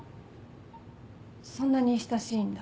そんなに親しいんだ。